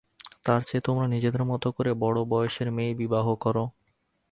তার চেয়ে তোমাদের নিজেদের মতে বড়ো বয়সের মেয়েই বিবাহ করো।